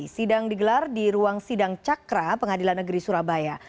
sidang digelar di ruang sidang cakra pengadilan negeri surabaya